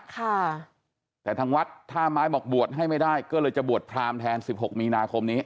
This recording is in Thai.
ค่ะแต่ทางวัดท่าไม้บอกบวชให้ไม่ได้ก็เลยจะบวชพรามแทนสิบหกมีนาคมนี้